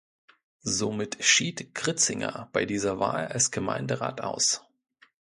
Somit schied Kritzinger bei dieser Wahl als Gemeinderat aus.